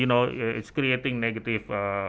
itu membuat harga yang negatif